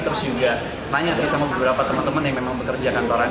terus juga tanya sih sama beberapa teman teman yang memang bekerja kantoran